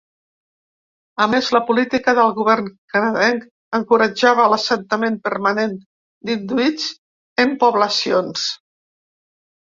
A més la política del govern canadenc encoratjava l'assentament permanent d'inuits en poblacions.